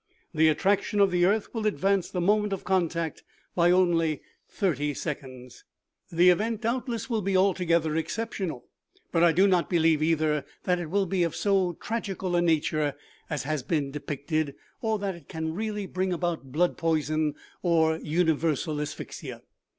The attraction of the earth will advance the moment of contact by only thirty seconds. OMEGA. 57 " The event, doubtless, will be altogether exceptional, but I do not believe either, that it will be of so tragical a nature as has been depicted, or that it can really bring about blood poison or universal asphyxia.